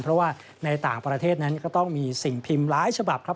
เพราะว่าในต่างประเทศนั้นก็ต้องมีสิ่งพิมพ์หลายฉบับครับ